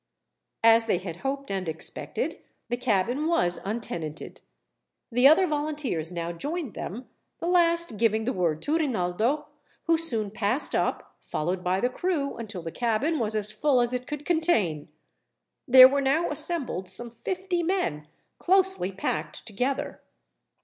As they had hoped and expected, the cabin was untenanted. The other volunteers now joined them, the last giving the word to Rinaldo, who soon passed up, followed by the crew, until the cabin was as full as it could contain. There were now assembled some fifty men, closely packed together.